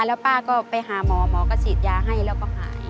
แล้วป้าก็ไปหาหมอหมอก็ฉีดยาให้แล้วก็หาย